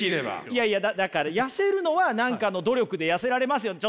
いやいやだから痩せるのは何かの努力で痩せられますよね。